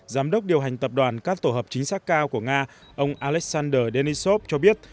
giám đốc điều hành tập đoàn các tổ hợp chính xác cao của nga ông alexander denisov cho biết